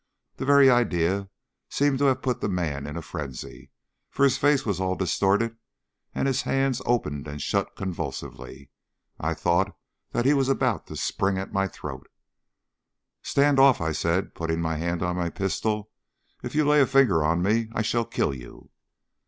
The very idea seemed to have put the man in a frenzy, for his face was all distorted and his hands opened and shut convulsively. I thought that he was about to spring at my throat. "Stand off," I said, putting my hand on my pistol. "If you lay a finger on me I shall kill you."